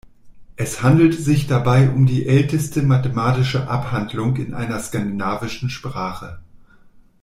Es handelt sich dabei um die älteste mathematische Abhandlung in einer skandinavischen Sprache.